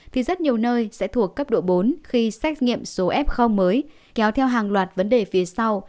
thì rất nhiều nơi sẽ thuộc cấp độ bốn khi xét nghiệm số f mới kéo theo hàng loạt vấn đề phía sau